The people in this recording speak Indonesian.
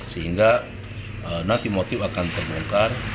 sehingga nanti motif akan terbongkar